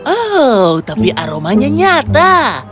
oh tapi aromanya nyata